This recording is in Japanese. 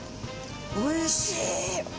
おいしい！